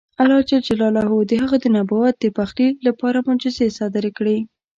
الله جل جلاله د هغه د نبوت د پخلي لپاره معجزې صادرې کړې.